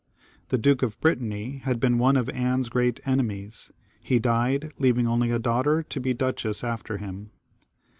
The Duke of Brittany had been one of Anne's great enemies : he died, leaving only a daughter to be duchess after him.